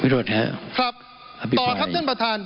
ต่อครับท่านประธาน